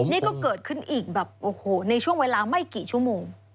นี่ก็เกิดขึ้นอีกแบบโอ้โหในช่วงเวลาไม่กี่ชั่วโมง